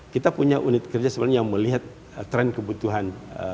kita punya unit kerja sebenarnya yang melihat tren kebutuhan